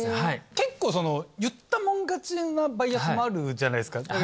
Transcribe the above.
結構言った者勝ちなバイアスもあるじゃないですか。